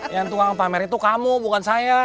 yang tuang pamer itu kamu bukan saya